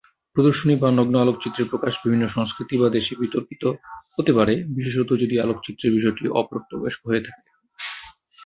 প্রদর্শনী বা নগ্ন আলোকচিত্রের প্রকাশ বিভিন্ন সংস্কৃতি বা দেশে বিতর্কিত হতে পারে, বিশেষত যদি আলোকচিত্রের বিষয়টি অপ্রাপ্তবয়স্ক হয়ে থাকে।